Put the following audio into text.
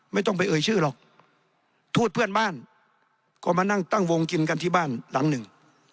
ไม่ต้องไปเอ่ยชื่อหรอกทูตเพื่อนบ้านก็มานั่งตั้งวงกินกันที่บ้านหลังหนึ่ง